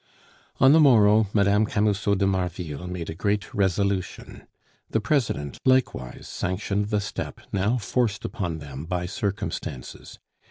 On the morrow, Mme. Camusot de Marville made a great resolution; the President likewise sanctioned the step now forced upon them by circumstances.